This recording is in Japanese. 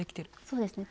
そうですね。